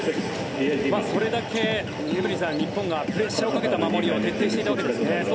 それだけエブリンさん、日本がプレッシャーをかけた守りを徹底していたわけですね。